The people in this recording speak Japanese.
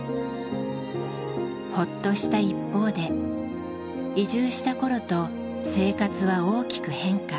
ほっとした一方で移住した頃と生活は大きく変化。